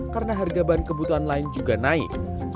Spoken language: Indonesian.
karena harga bahan kebutuhan lain juga naik